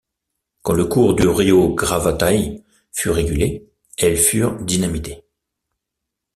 Quand le cours du rio Gravataí fut régulé, elles furent dynamitées.